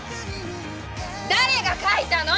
誰が書いたの！